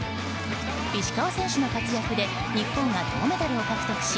石川選手の活躍で日本が銅メダルを獲得し